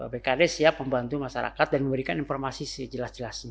bkd siap membantu masyarakat dan memberikan informasi sejelas jelasnya